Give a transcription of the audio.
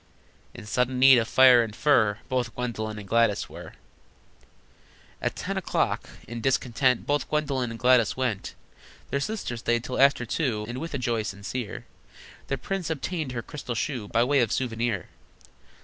In sudden need of fire and fur Both Gwendolyn and Gladys were. At ten o'clock, in discontent, Both Gwendolyn and Gladys went. Their sister stayed till after two, And, with a joy sincere, The prince obtained her crystal shoe By way of souvenir.